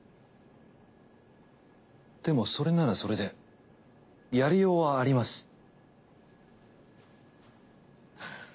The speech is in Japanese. でもそれならそれでやりようはあります。